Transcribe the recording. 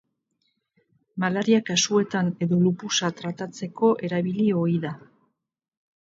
Malaria kasuetan edo lupusa tratatzeko erabili ohi da.